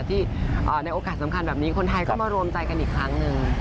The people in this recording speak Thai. ในโอกาสสำคัญแบบนี้คนไทยก็มารวมใจกันอีกครั้งหนึ่ง